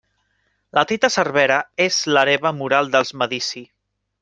La Tita Cervera és l'hereva moral dels Medici.